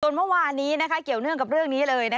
เมื่อวานนี้เกี่ยวเนื่องกับเรื่องนี้เลย